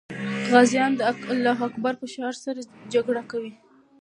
غازیان د الله اکبر په شعار سره جګړه کوي.